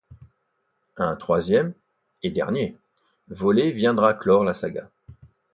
Un troisième - et dernier - volet viendra clore la saga.